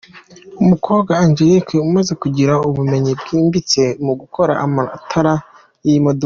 Umukobwa Angelique umaze kugira ubumenyi bwimbitse mu gukora amatara y’imodoka.